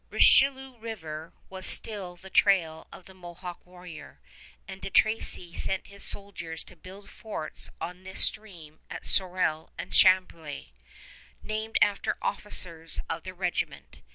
Richelieu River was still the trail of the Mohawk warrior; and De Tracy sent his soldiers to build forts on this stream at Sorel and Chambly named after officers of the regiment.